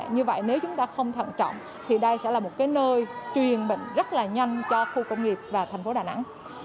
như vậy nếu chúng ta không thận trọng thì đây sẽ là một cái nơi truyền bệnh rất là nhanh cho khu công nghiệp và thành phố đà nẵng